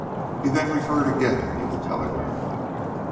He then referred again to the telegram.